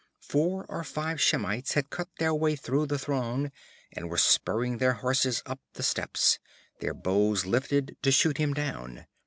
Four or five Shemites had cut their way through the throng and were spurring their horses up the steps, their bows lifted to shoot him down.